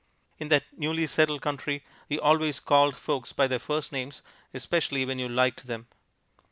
In that newly settled country you always called folks by their first names, especially when you liked them.